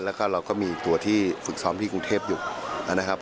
แล้วก็เราก็มีตัวที่ฝึกซ้อมที่กรุงเทพอยู่นะครับ